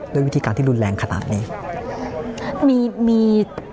ด้วยวิธีการที่รุนแรงขนาดนี้